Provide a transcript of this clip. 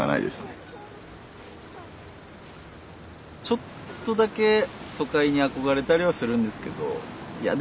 ちょっとだけ都会に憧れたりはするんですけどいや